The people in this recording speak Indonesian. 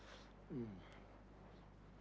itu dia yang pensy word dia yang orang ini panggil